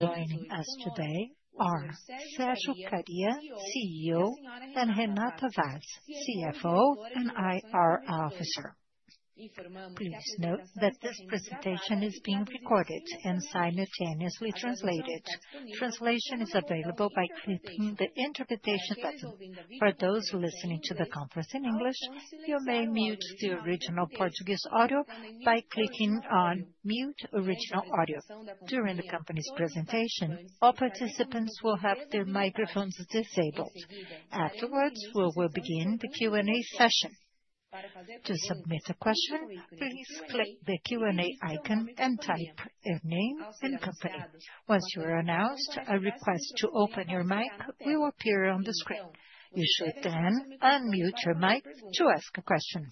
Joining us today are Sérgio Kariya, CEO, and Renata Vaz, CFO and IR Officer. Please note that this presentation is being recorded and simultaneously translated. Translation is available by clicking the interpretation button. For those listening to the conference in English, you may mute the original Portuguese audio by clicking on mute original audio. During the company's presentation, all participants will have their microphones disabled. Afterwards, we will begin the Q&A session. To submit a question, please click the Q&A icon and type your name and company. Once you are announced a request to open your mic, you appear on the screen. You should then unmute your mic to ask a question.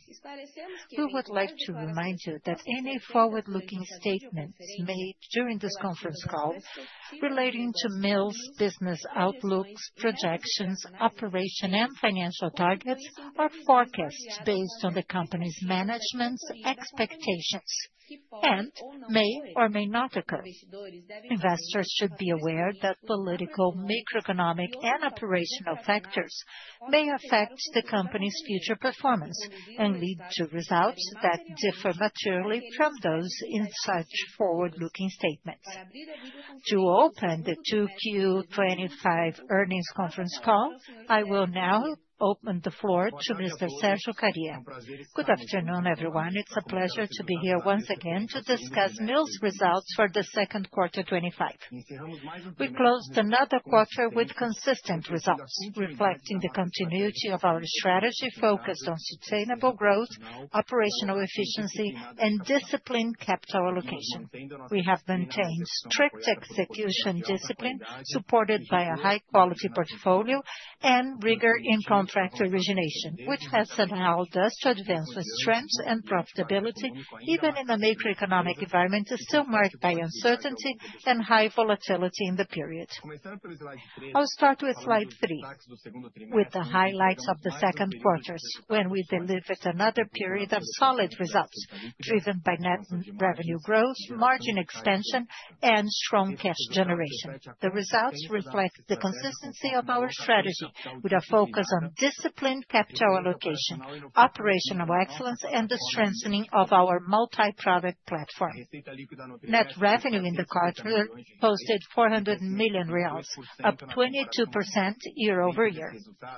We would like to remind you that any forward-looking statements made during this conference call relating to Mills business outlooks, projections, operation, and financial targets are forecast based on the company's management's expectations and may or may not occur. Investors should be aware that political, macroeconomic, and operational factors may affect the company's future performance and lead to results that differ materially from those in such forward-looking statements. To open the 2Q 2025 earnings conference call, I will now open the floor to Mr. Sérgio Kariya. Good afternoon, everyone. It's a pleasure to be here once again to discuss Mills results for the second quarter 2025. We closed another quarter with consistent results, reflecting the continuity of our strategy focused on sustainable growth, operational efficiency, and disciplined capital allocation. We have maintained strict execution discipline, supported by a high-quality portfolio and rigor in contract origination, which has allowed us to advance with strength and profitability, even in a macroeconomic environment still marked by uncertainty and high volatility in the period. I'll start with slide three, with the highlights of the second quarter when we delivered another period of solid results driven by net revenue growth, margin extension, and strong cash generation. The results reflect the consistency of our strategy with a focus on disciplined capital allocation, operational excellence, and the strengthening of our multi-product platform. Net revenue in the quarter posted 400 million reais, up 22% year-over-year.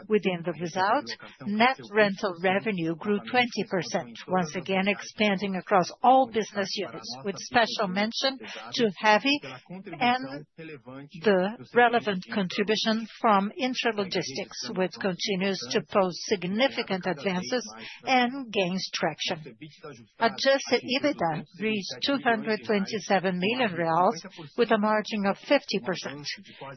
Within the result, net rental revenue grew 20%, once again expanding across all business units, with special mention to heavy and relevant contribution from Intra Logistics, which continues to post significant advances and gains traction. Adjusted EBITDA reached 227 million reais with a margin of 50%,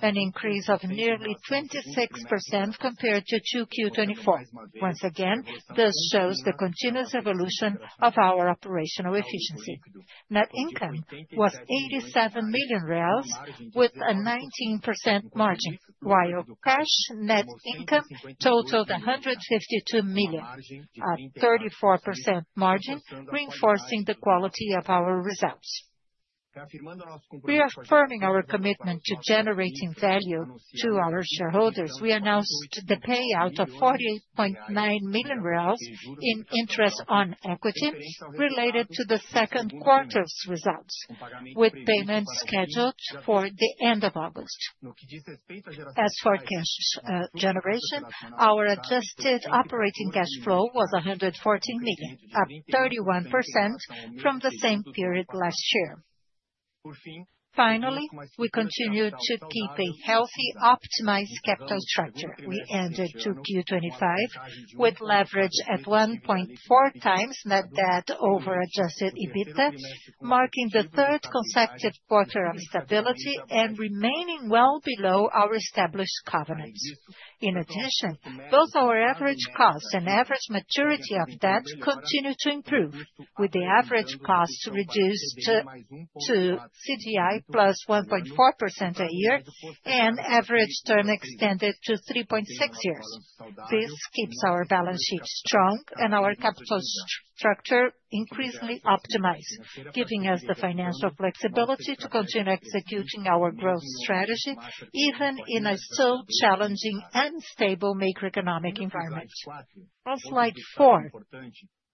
an increase of nearly 26% compared to 2024. Once again, this shows the continuous evolution of our operational efficiency. Net income was 87 million reais with a 19% margin, while cash net income totaled 152 million, a 34% margin, reinforcing the quality of our results. Reaffirming our commitment to generating value to our shareholders, we announced the payout of BRL 48.9 million in interest on equity related to the second quarter's results, with payments scheduled for the end of August. As for cash generation, our adjusted operating cash flow was 114 million, up 31% from the same period last year. Finally, we continue to keep a healthy, optimized capital structure. We ended 2025 with leverage at 1.4x net debt/EBITDA, marking the third consecutive quarter of stability and remaining well below our established covenants. In addition, both our average costs and average maturity of debt continue to improve, with the average costs reduced to CDI plus 1.4% a year and average term extended to 3.6 years. This keeps our balance sheet strong and our capital structure increasingly optimized, giving us the financial flexibility to continue executing our growth strategy even in a so challenging and stable macroeconomic environment. On slide four,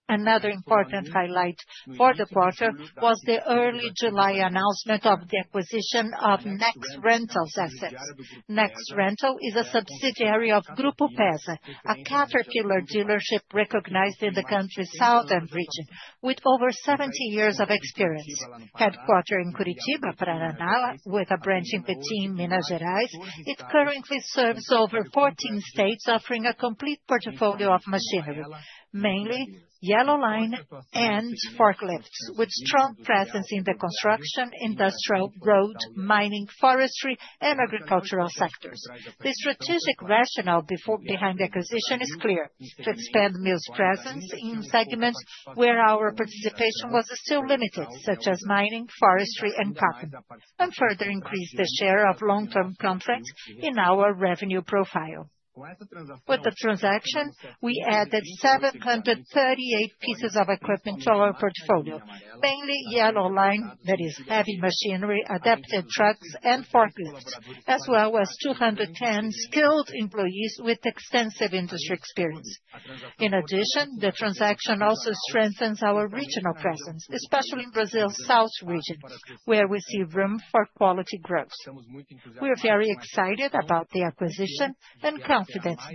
another important highlight for the quarter was the early July announcement of the acquisition of Nex Rentals assets. Nex Rentals is a subsidiary of Grupo Pesa, a Caterpillar dealership recognized in the country's southern region, with over 70 years of experience. Headquartered in Curitiba, Paraná, with a branch in Betim, Minas Gerais, it currently serves over 14 states, offering a complete portfolio of machinery, mainly yellow line and forklifts, with strong presence in the construction, industrial, road, mining, forestry, and agricultural sectors. The strategic rationale behind the acquisition is clear: to expand Mills presence in segments where our participation was still limited, such as mining, forestry, and cotton, and further increase the share of long-term content in our revenue profile. With the transaction, we added 738 pieces of equipment to our portfolio, mainly yellow line, that is, heavy machinery, adaptive trucks, and forklifts, as well as 210 skilled employees with extensive industry experience. In addition, the transaction also strengthens our regional presence, especially in Brazil's South Region, where we see room for quality growth. We're very excited about the acquisition and confident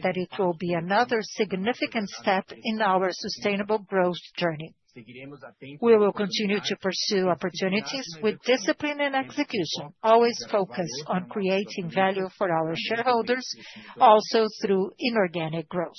that it will be another significant step in our sustainable growth journey. We will continue to pursue opportunities with discipline and execution, always focused on creating value for our shareholders, also through inorganic growth.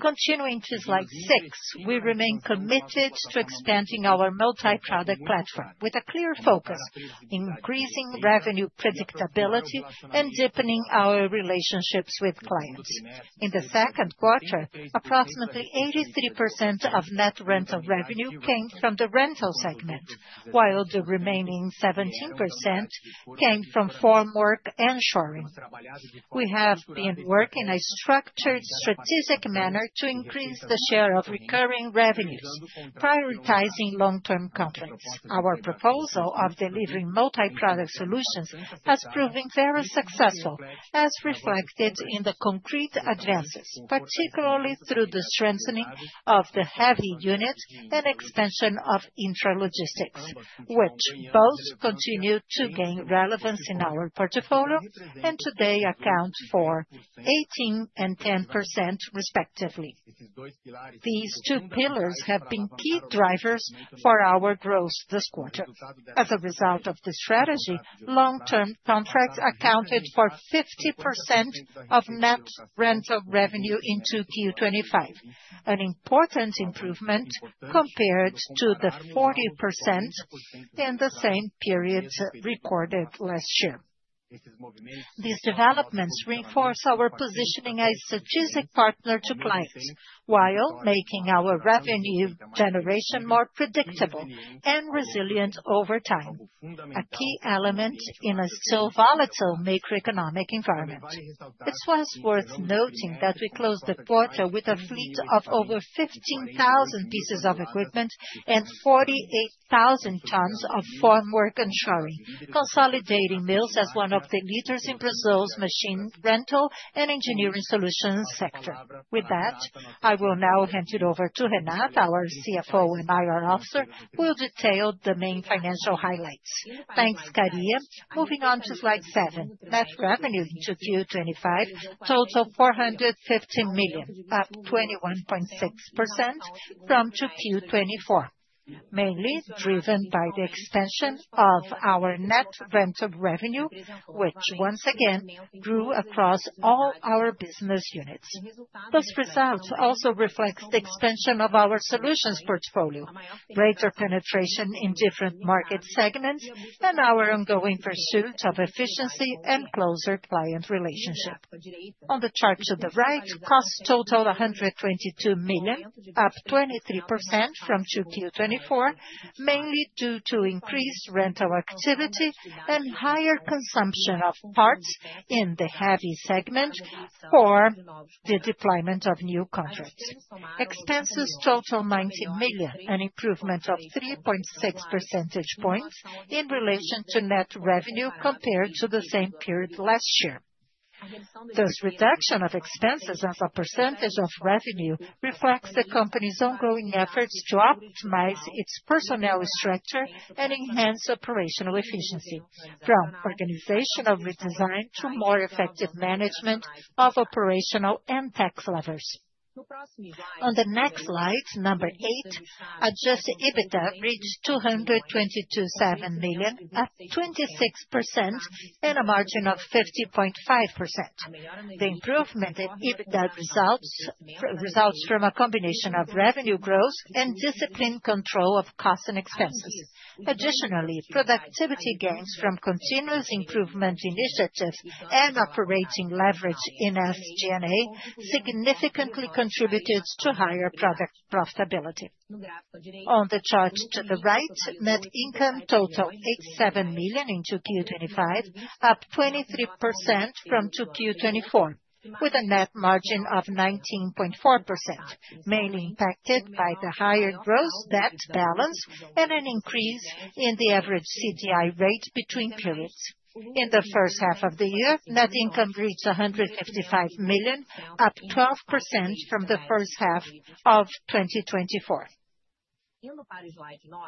Continuing to slide six, we remain committed to expanding our multi-product platform with a clear focus on increasing revenue predictability and deepening our relationships with clients. In the second quarter, approximately 83% of net rental revenue came from the rental segment, while the remaining 17% came from farm work and shoring. We have been working in a structured, strategic manner to increase the share of recurring revenues, prioritizing long-term content. Our proposal of delivering multi-product solutions has proven very successful, as reflected in the concrete advances, particularly through the strengthening of the heavy unit and expansion of Intra Logistics, which both continue to gain relevance in our portfolio and today account for 18% and 10%, respectively. These two pillars have been key drivers for our growth this quarter. As a result of the strategy, long-term contracts accounted for 50% of net rental revenue in 2025, an important improvement compared to the 40% in the same period reported last year. These developments reinforce our positioning as a strategic partner to clients, while making our revenue generation more predictable and resilient over time, a key element in a so volatile macroeconomic environment. It's also worth noting that we closed the quarter with a fleet of over 15,000 pieces of equipment and 48,000 tons of farm work and shoring, consolidating Mills as one of the leaders in Brazil's machine rental and engineering solutions sector. With that, I will now hand it over to Renata, our CFO and IR Officer, who will detail the main financial highlights. Thanks, Karia. Moving on to slide seven, net revenue in 2025 totaled 415 million, up 21.6% from 2024, mainly driven by the expansion of our net rental revenue, which once again grew across all our business units. Those results also reflect the expansion of our solutions portfolio, greater penetration in different market segments, and our ongoing pursuit of efficiency and closer client relationships. On the chart to the right, costs totaled 122 million, up 23% from 2024, mainly due to increased rental activity and higher consumption of parts in the heavy segment for the deployment of new contracts. Expenses totaled 19 million and improvements of 3.6 percentage points in relation to net revenue compared to the same period last year. This reduction of expenses as a percentage of revenue reflects the company's ongoing efforts to optimize its personnel structure and enhance operational efficiency, from organizational redesign to more effective management of operational and tax levers. On the next slide, number eight, adjusted EBITDA reached BRL 227 million, up 26%, and a margin of 50.5%. The improvement in EBITDA results from a combination of revenue growth and disciplined control of costs and expenses. Additionally, productivity gains from continuous improvement initiatives and operating leverage in SG&A significantly contributed to higher product profitability. On the chart to the right, net income totaled R$87 million in 2025, up 23% from 2024, with a net margin of 19.4%, mainly impacted by the higher gross debt balance and an increase in the average CDI rate between periods. In the first half of the year, net income reached 155 million, up 12% from the first half of 2024.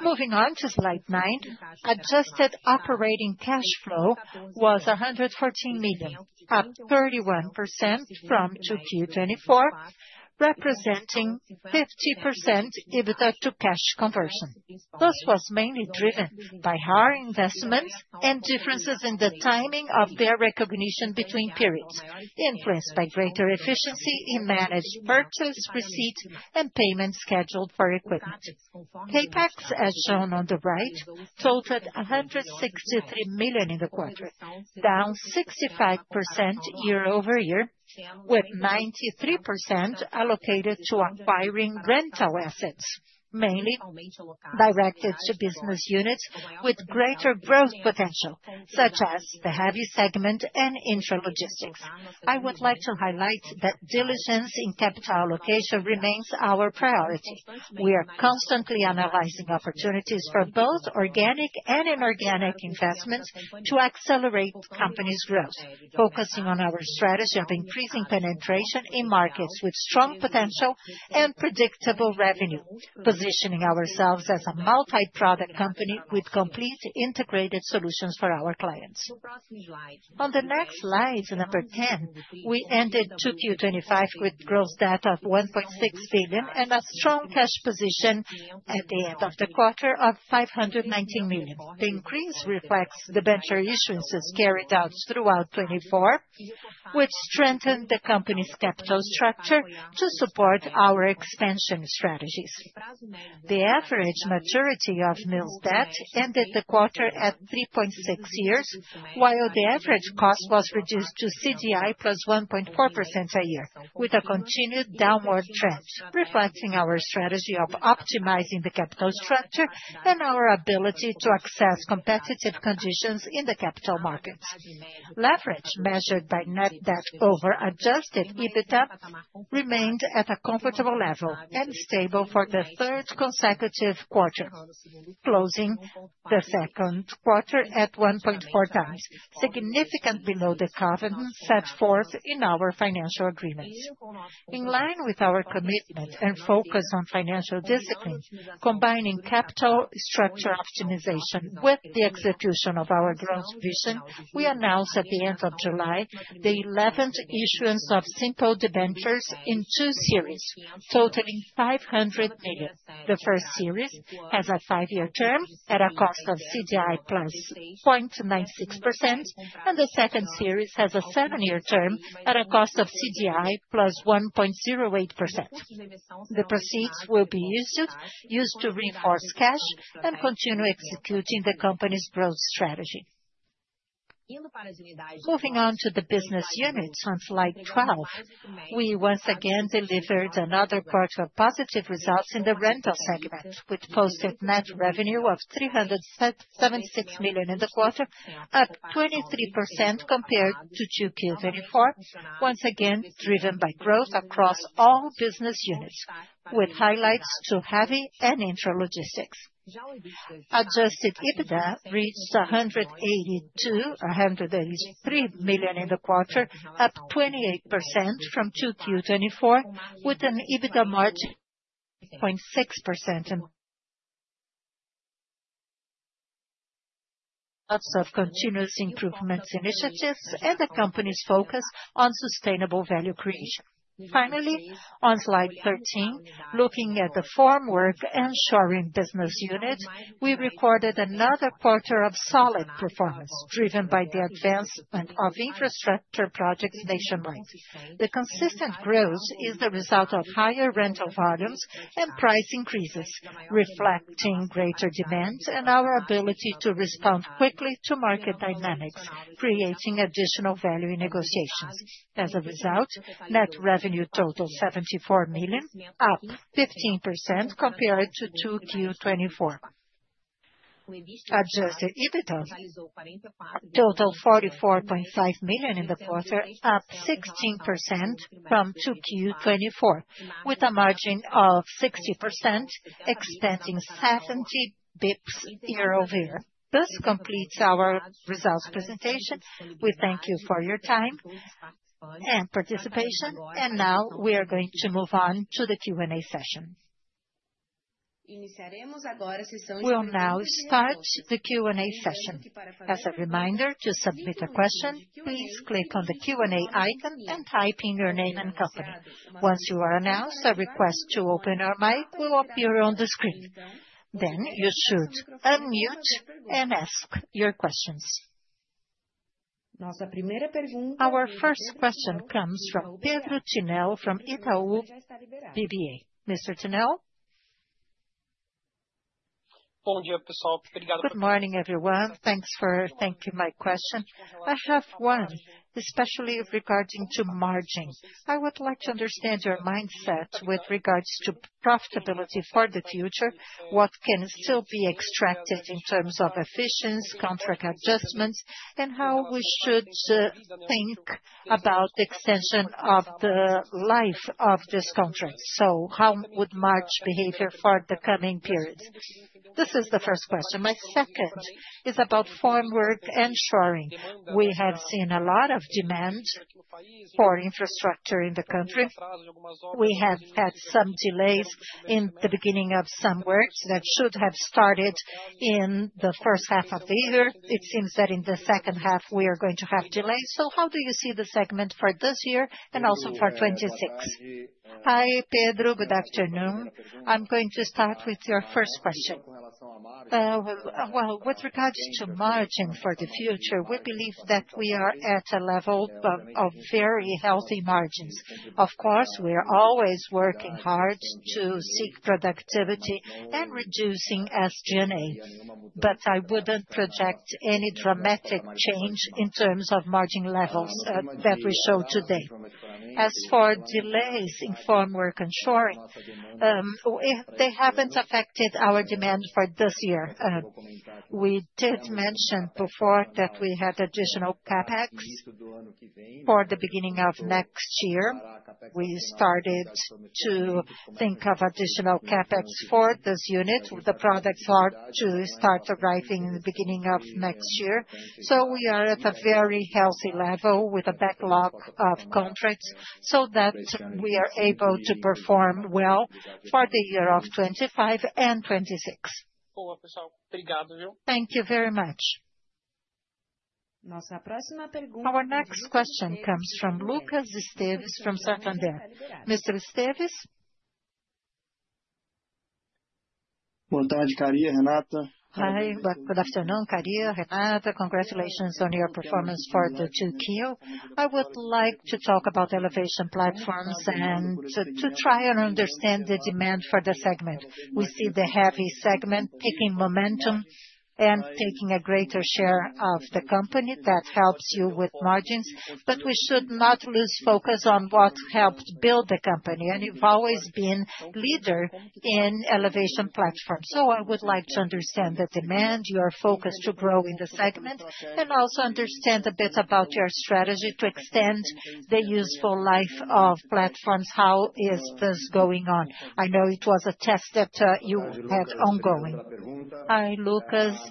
Moving on to slide nine, adjusted operating cash flow was 114 million, up 31% from 2024, representing 50% EBITDA to cash conversion. This was mainly driven by our investments and differences in the timing of their recognition between periods, influenced by greater efficiency in managed purchase, receipt, and payment scheduled for equipment. CapEx, as shown on the right, totaled 163 million in the quarter, down 65% year-over- year, with 93% allocated to acquiring rental assets, mainly directed to business units with greater growth potential, such as the heavy segment and Intra Logistics. I would like to highlight that diligence in capital allocation remains our priority. We are constantly analyzing opportunities for both organic and inorganic investments to accelerate the company's growth, focusing on our strategy of increasing penetration in markets with strong potential and predictable revenue, positioning ourselves as a multi-product company with complete integrated solutions for our clients. On the next slide, number 10, we ended 2025 with a gross debt of 1.6 billion and a strong cash position at the end of the quarter of 519 million. The increase reflects the debenture issuances carried out throughout 2024, which strengthened the company's capital structure to support our expansion strategies. The average maturity of Mills debt ended the quarter at 3.6 years, while the average cost was reduced to CDI plus 1.4% a year, with a continued downward trend reflecting our strategy of optimizing the capital structure and our ability to access competitive conditions in the capital markets. Leverage measured by net debt over adjusted EBITDA remained at a comfortable level and stable for the third consecutive quarter, closing the second quarter at 1.4x, significantly below the covenants set forth in our financial agreements. In line with our commitment and focus on financial discipline, combining capital structure optimization with the execution of our growth vision, we announced at the end of July the 11th issuance of single debentures in two series, totaling 500 million. The first series has a five-year term at a cost of CDI plus 0.96%, and the second series has a seven-year term at a cost of CDI plus 1.08%. The proceeds will be used to reinforce cash and continue executing the company's growth strategy. Moving on to the business units, on slide 12, we once again delivered another quarter of positive results in the rental segment, which posted net revenue of 376 million in the quarter, up 23% compared to 2024, once again driven by growth across all business units, with highlights to heavy and Intra Logistics. Adjusted EBITDA reached 182, 183 million in the quarter, up 28% from 2024, with an EBITDA margin of 0.6%. Lots of continuous improvement initiatives and the company's focus on sustainable value creation. Finally, on slide 13, looking at the formwork and shoring business units, we recorded another quarter of solid performance, driven by the advancement of infrastructure projects nationwide. The consistent growth is the result of higher rental volumes and price increases, reflecting greater demand and our ability to respond quickly to market dynamics, creating additional value in negotiations. As a result, net revenue totaled 74 million, up 15% compared to 2024. Adjusted EBITDA totaled 44.5 million in the quarter, up 16% from 2024, with a margin of 60%, expanding 70 base points year-over-year. This completes our results presentation. We thank you for your time and participation. We are going to move on to the Q&A session. We will now start the Q&A session. As a reminder, to submit a question, please click on the Q&A icon and type in your name and company. Once you are announced, a request to open your mic will appear on the screen. You should unmute and ask your questions. Our first question comes from Pedro Tinel from Itaú BBA. Mr. Tinel? Good morning, everyone. Thanks for taking my question. I have one, especially regarding margins. I would like to understand your mindset with regards to profitability for the future, what can still be extracted in terms of efficiency, contract adjustments, and how we should think about the extension of the life of this contract. How would margin behavior for the coming periods? This is the first question. My second is about farm work and shoring. We have seen a lot of demand for infrastructure in the country. We have had some delays in the beginning of some works that should have started in the first half of the year. It seems that in the second half, we are going to have delays. How do you see the segment for this year and also for 2026? Hi, Pedro. Good afternoon. I'm going to start with your first question. With regards to margins for the future, we believe that we are at a level of very healthy margins. Of course, we are always working hard to seek productivity and reducing SG&A, but I wouldn't project any dramatic change in terms of margin levels that we show today. As for delays in farm work and shoring, they haven't affected our demand for this year. We did mention before that we have additional CapEx for the beginning of next year. We started to think of additional CapEx for those units with the products hard to start arriving in the beginning of next year. We are at a very healthy level with a backlog of contracts so that we are able to perform well for the year of 2025 and 2026. Thank you very much. Our next question comes from Lucas Esteves from Santander. Mr. Esteves? Good afternoon, Padilla, congratulations on your performance for 2025. I would like to talk about elevation platforms and try to understand the demand for the segment. We see the heavy segment taking momentum and taking a greater share of the company. That helps you with margins. We should not lose focus on what helped build the company. You've always been a leader in elevation platforms. I would like to understand the demand, your focus to grow in the segment, and also understand a bit about your strategy to extend the useful life of platforms. How is this going on? I know it was a test that you had ongoing. Hi, Lucas.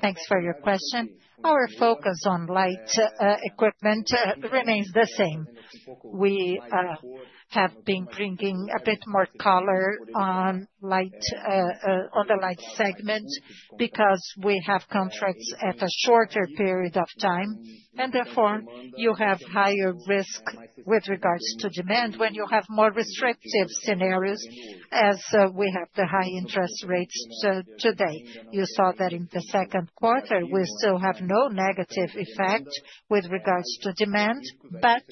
Thanks for your question. Our focus on light equipment remains the same. We have been bringing a bit more color on the light segment because we have contracts at a shorter period of time, and therefore, you have higher risk with regards to demand when you have more restrictive scenarios, as we have the high interest rates today. You saw that in the second quarter, we still have no negative effect with regards to demand, but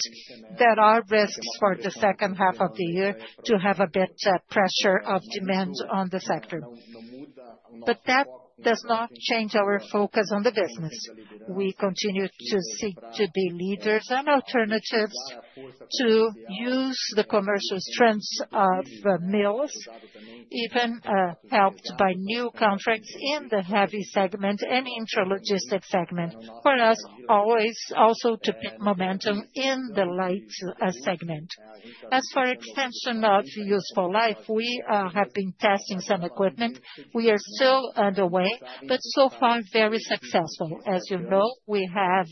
there are risks for the second half of the year to have a bit of pressure of demand on the sector. That does not change our focus on the business. We continue to seek to be leaders and alternatives to use the commercial strengths of Mills, even helped by new contracts in the heavy segment and Intra Logistics segment, for us always also to pick momentum in the light segment. As for expansion of useful life, we have been testing some equipment. We are still underway, but so far, very successful. As you know, we have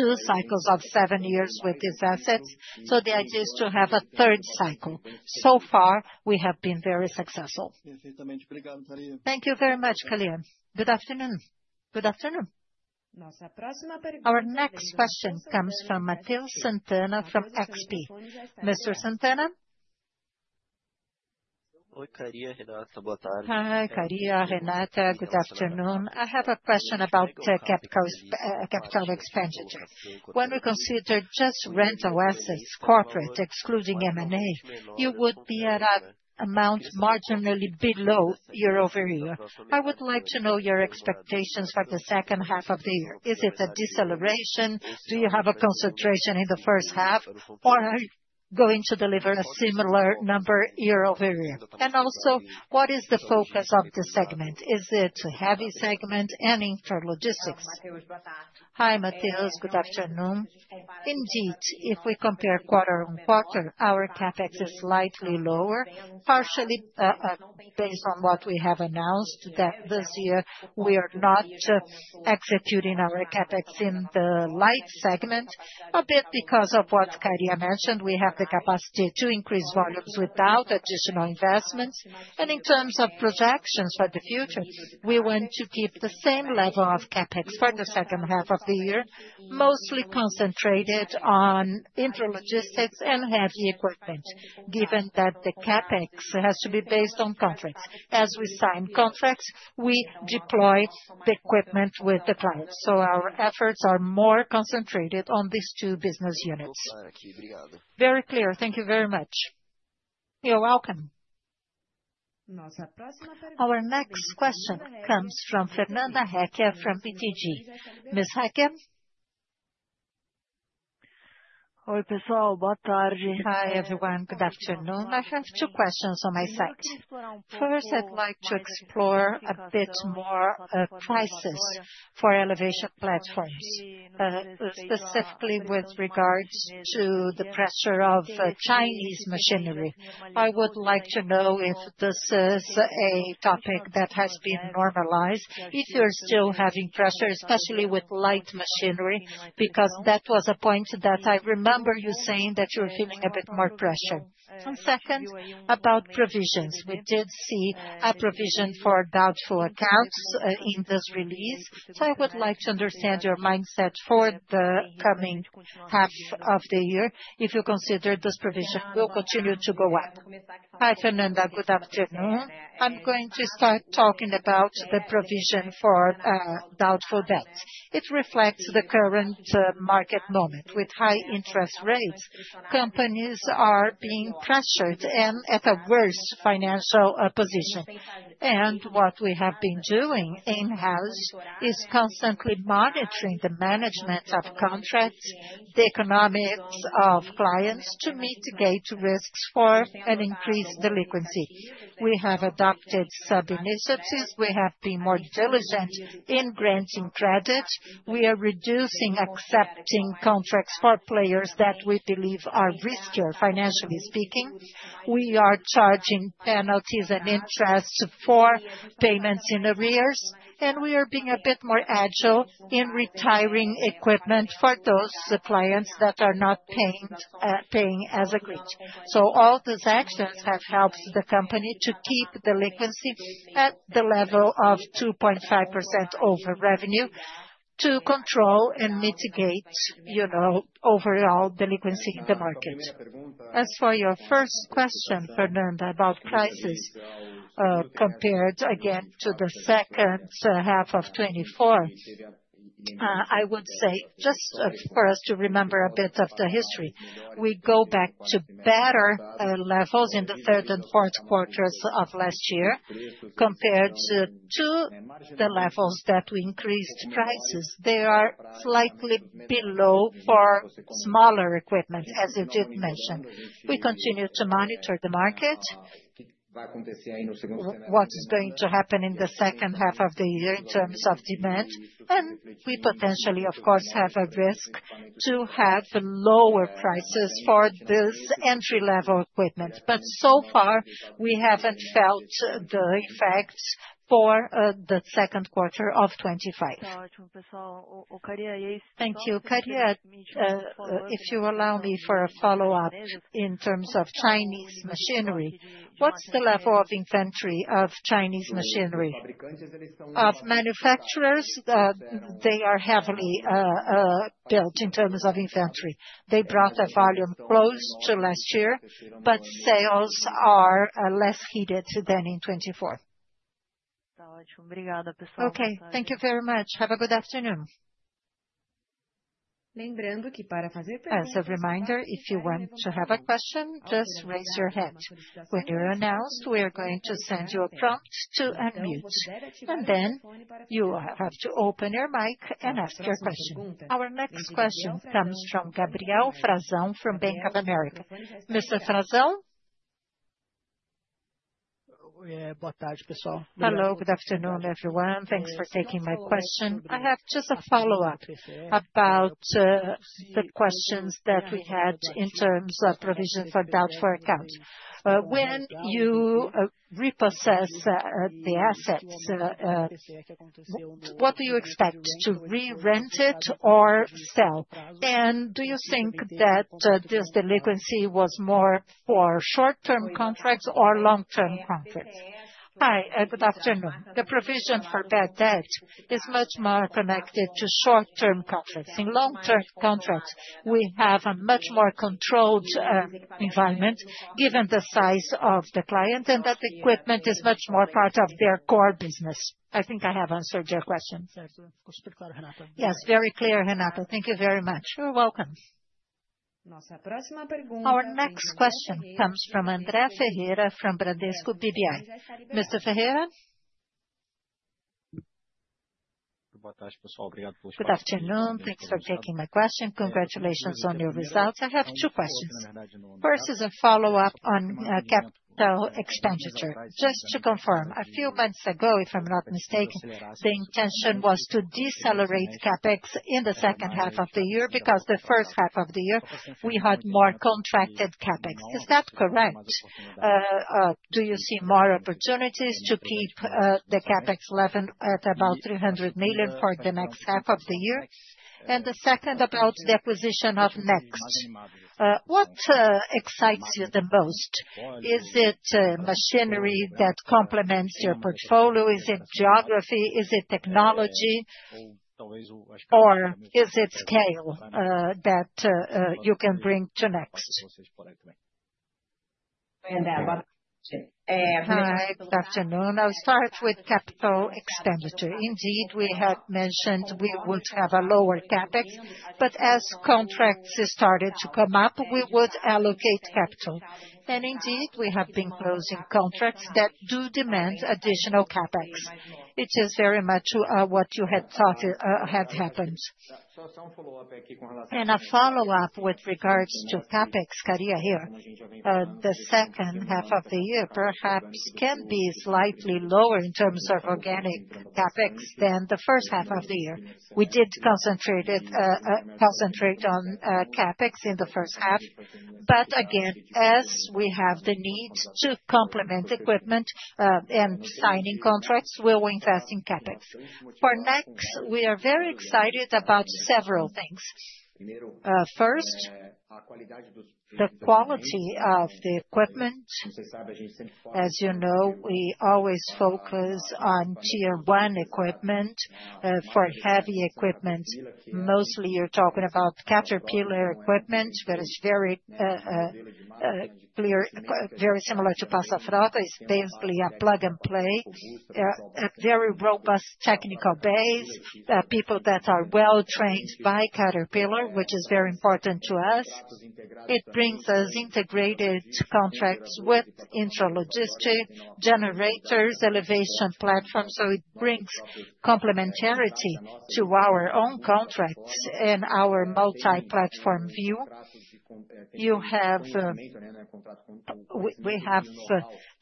two cycles of seven years with these assets. The idea is to have a third cycle. So far, we have been very successful. Our next question comes from Matheus SantAnna from XP. Mr. Santana? Hi, Kariya, Renata. Good afternoon. I have a question about the capital expense. When we consider just rental assets, corporate, excluding M&A, you would be at an amount marginally below year-over-year. I would like to know your expectations for the second half of the year. Is it a deceleration? Do you have a concentration in the first half, or are you going to deliver a similar number year-over-year? Also, what is the focus of the segment? Is it a heavy segment and Intra Logistics? Hi, Matheus. Good afternoon. Indeed, if we compare quarter on quarter, our CapEx is slightly lower, partially based on what we have announced that this year we are not executing our CapEx in the light segment, a bit because of what Kariya mentioned. We have the capacity to increase volumes without additional investments. In terms of projections for the future, we want to keep the same level of CapEx for the second half of the year, mostly concentrated on Intra Logistics and heavy equipment, given that the CapEx has to be based on contracts. As we sign contracts, we deploy the equipment with the clients. Our efforts are more concentrated on these two business units. Very clear. Thank you very much. You're welcome. Our next question comes from Fernando Hecke from BTG. Ms. Hecke? Hi, everyone. Good afternoon. I have two questions on my side. First, I'd like to explore a bit more crisis for elevation platforms, specifically with regards to the pressure of Chinese machinery. I would like to know if this is a topic that has been normalized, if you're still having pressure, especially with light machinery, because that was a point that I remember you saying that you were feeling a bit more pressure. Second, about provisions, we did see a provision for doubtful accounts in this release. I would like to understand your mindset for the coming half of the year. If you consider this provision will continue to go up. Hi, Fernando. Good afternoon. I'm going to start talking about the provision for doubtful debt. It reflects the current market moment. With high interest rates, companies are being pressured and at a worse financial position. What we have been doing in-house is constantly monitoring the management of contracts, the economics of clients to mitigate risks for an increased delinquency. We have adopted sub-initiatives. We have been more diligent in granting credit. We are reducing accepting contracts for players that we believe are riskier, financially speaking. We are charging penalties and interest for payments in arrears, and we are being a bit more agile in retiring equipment for those clients that are not paying as agreed. All those actions have helped the company to keep delinquency at the level of 2.5% over revenue to control and mitigate, you know, overall delinquency in the market. As for your first question, Fernando, about crisis, compared again to the second half of 2024, I would say just for us to remember a bit of the history, we go back to better levels in the third and fourth quarters of last year compared to the levels that we increased prices. They are slightly below for smaller equipment, as I did mention. We continue to monitor the market. What is going to happen in the second half of the year in terms of demand? We potentially, of course, have a risk to have lower prices for this entry-level equipment. So far, we haven't felt the effects for the second quarter of 2025. Thank you. Kariya, if you allow me for a follow-up in terms of Chinese machinery, what's the level of inventory of Chinese machinery? Manufacturers, they are heavily built in terms of inventory. They brought a volume close to last year, but sales are less heated than in 2024. Thank you very much. Have a good afternoon. As a reminder, if you want to have a question, just raise your hand. When you're announced, we are going to send you a prompt to unmute. You will have to open your mic and ask your question. Our next question comes from Gabriel Frazao from Bank of America. Mr. Frazao? Hello. Good afternoon, everyone. Thanks for taking my question. I have just a follow-up about the questions that we had in terms of provision for doubtful accounts. When you repossess the assets, what do you expect? To re-rent it or sell? Do you think that this delinquency was more for short-term contracts or long-term contracts? Hi, good afternoon. The provision for bad debt is much more connected to short-term contracts. In long-term contracts, we have a much more controlled environment given the size of the client and that the equipment is much more part of their core business. I think I have answered your question. Yes, very clear, Renata. Thank you very much. Our next question comes from Andrea Ferreira from Bradesco BBI. Mr. Ferreira? Good afternoon. Thanks for taking my question. Congratulations on your results. I have two questions. First is a follow-up on capital expenditure. Just to confirm, a few months ago, if I'm not mistaken, the intention was to decelerate CapEx in the second half of the year because the first half of the year, we had more contracted CapEx. Is that correct? Do you see more opportunities to keep the CapEx level at about 300 million for the next half of the year? The second is about the acquisition of Nex. What excites you the most? Is it machinery that complements your portfolio? Is it geography? Is it technology? Is it scale that you can bring to Nex? Hi, good afternoon. I'll start with capital expenditure. Indeed, we had mentioned we would have a lower CapEx, but as contracts started to come up, we would allocate capital. Indeed, we have been closing contracts that do demand additional CapEx. It is very much what you had thought had happened. A follow-up with regards to CapEx, Padilla here. The second half of the year perhaps can be slightly lower in terms of organic CapEx than the first half of the year. We did concentrate on CapEx in the first half. Again, as we have the need to complement equipment and signing contracts, we'll invest in CapEx. For Nex, we are very excited about several things. First, the quality of the equipment. As you know, we always focus on tier one equipment for heavy equipment. Mostly, you're talking about caterpillar equipment that is very similar to Pesa Frota. It's basically a plug-and-play, a very robust technical base, people that are well trained by Caterpillar, which is very important to us. It brings us integrated contracts with Intra Logistics, generators, elevation platforms. It brings complementarity to our own contracts and our multi-platform view. We have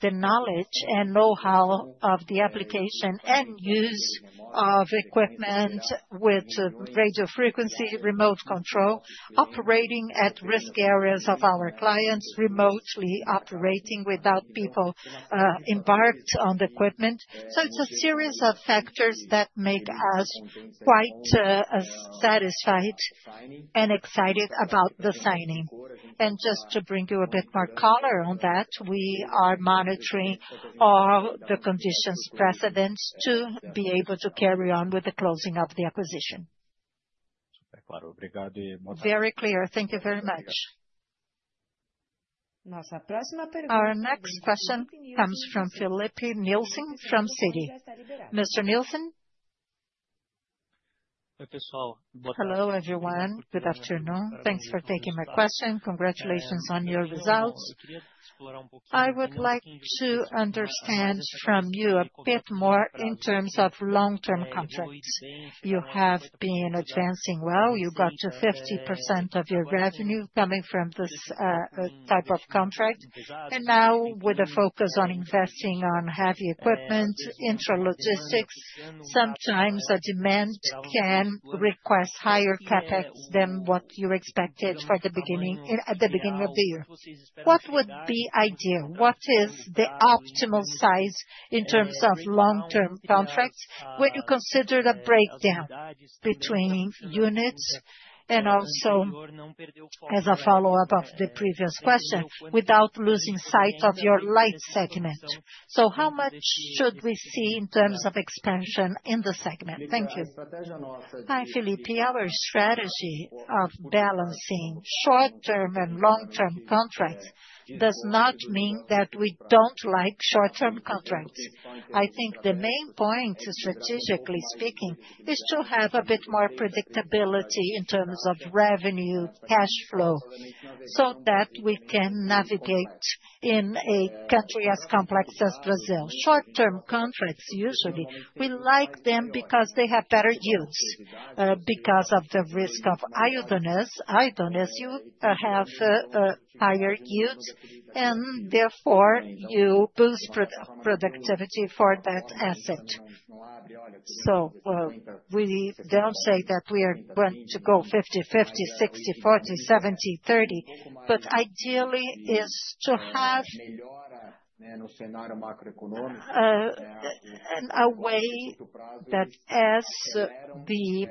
the knowledge and know-how of the application and use of equipment with radio frequency remote control, operating at risk areas of our clients, remotely operating without people embarked on the equipment. It is a series of factors that make us quite satisfied and excited about the signing. Just to bring you a bit more color on that, we are monitoring all the conditions precedent to be able to carry on with the closing of the acquisition. Our next question comes from Felipe Nielsen from Citi. Mr. Nielsen? Hello, everyone. Good afternoon. Thanks for taking my question. Congratulations on your results. I would like to understand from you a bit more in terms of long-term contracts. You have been advancing well. You got to 50% of your revenue coming from this type of contract. Now, with a focus on investing on heavy equipment, Intra Logistics, sometimes a demand can request higher CapEx than what you expected at the beginning of the year. What would be ideal? What is the optimal size in terms of long-term contracts when you consider the breakdown between units and also as a follow-up of the previous question without losing sight of your light segment? How much should we see in terms of expansion in the segment? Thank you. Hi, Filipe. Our strategy of balancing short-term and long-term contracts does not mean that we don't like short-term contracts. I think the main point, strategically speaking, is to have a bit more predictability in terms of revenue, cash flow, so that we can navigate in a country as complex as Brazil. Short-term contracts, usually, we like them because they have better yields. Because of the risk of idleness, you have a higher yield, and therefore, you boost productivity for that asset. We don't say that we are going to go 50/50, 60/40, 70/30, but ideally, it's to have a way that, as the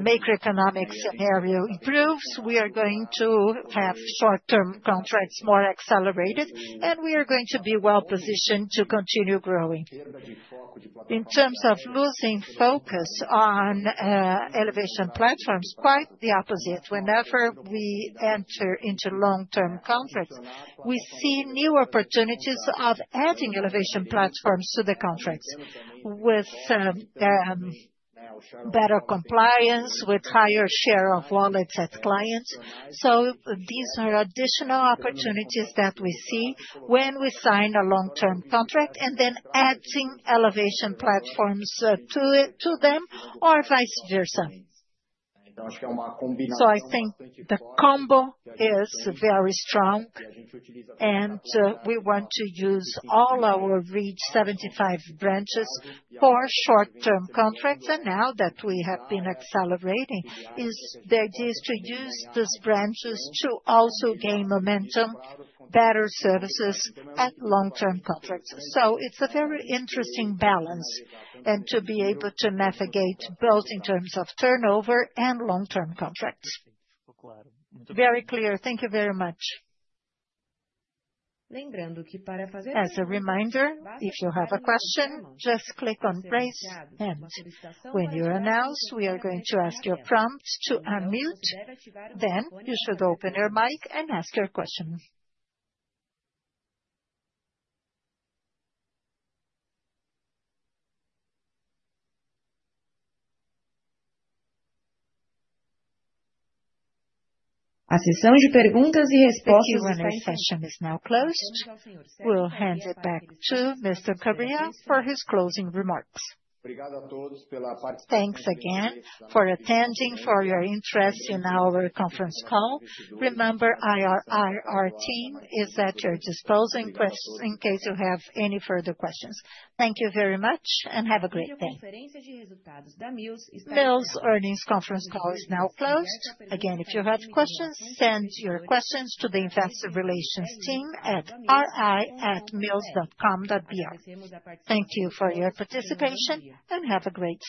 macroeconomic scenario improves, we are going to have short-term contracts more accelerated, and we are going to be well positioned to continue growing. In terms of losing focus on elevation platforms, quite the opposite. Whenever we enter into long-term contracts, we see new opportunities of adding elevation platforms to the contracts with better compliance, with higher share of wallets as clients. These are additional opportunities that we see when we sign a long-term contract and then adding elevation platforms to them or vice versa. I think the combo is very strong, and we want to use all our 75 branches for short-term contracts. Now that we have been accelerating, the idea is to use those branches to also gain momentum, better services, and long-term contracts. It's a very interesting balance and to be able to navigate both in terms of turnover and long-term contracts. As a reminder, if you have a question, just click on the brace and when you're announced, we are going to ask your prompt to unmute. You should open your mic and ask your question. The session is now closed. We'll hand it back to Mr. Kariya for his closing remarks. Thanks again for attending, for your interest in our conference call. Remember, our team is at your disposal in case you have any further questions. Thank you very much and have a great day. Mills' earnings conference call is now closed. Again, if you have questions, send your questions to the Investor Relations team at ri@mills.com.br. Thank you for your participation and have a great day.